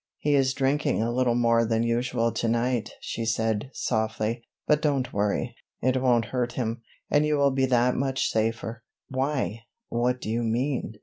"He is drinking a little more than usual to night," she said softly, "but don't worry—it won't hurt him, and you will be that much safer." "Why, what do you mean?"